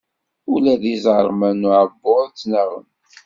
Ula d iẓerman n uɛebbuḍ ttnaɣen.